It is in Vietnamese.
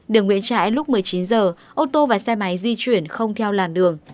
đường nguyễn trãi lúc một mươi chín h ô tô và xe máy di chuyển không theo làn đường